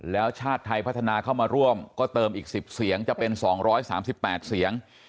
แล้วชาติไทยพัฒนาเข้ามาร่วมก็เติมอีกสิบเสียงจะเป็นสองร้อยสามสิบแปดเสียง